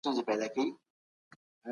بهرنۍ پالیسي د باور فضا نه کمزورې کوي.